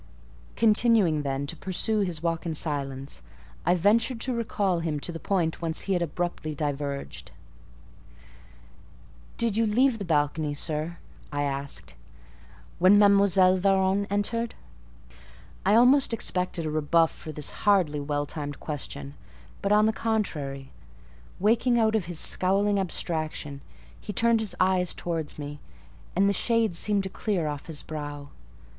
Continuing then to pursue his walk in silence, I ventured to recall him to the point whence he had abruptly diverged— "Did you leave the balcony, sir," I asked, "when Mdlle. Varens entered?" I almost expected a rebuff for this hardly well timed question, but, on the contrary, waking out of his scowling abstraction, he turned his eyes towards me, and the shade seemed to clear off his brow.